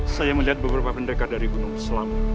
saya melihat beberapa pendekar dari gunung selam